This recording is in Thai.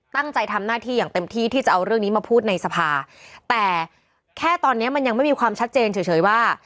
ตั้งใจทำหน้าที่อย่างเต็มที่ที่จะเอาเรื่องนี้มาพูดในสภาแต่แค่ตอนเนี้ยมันยังไม่มีความชัดเจนเฉยว่า